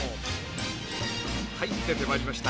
はい出てまいりました。